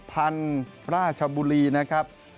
ภัณฑ์ราชบุรีนะครับ